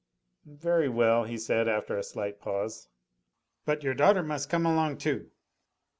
"Very well," he said after a slight pause. "But your daughter must come along too.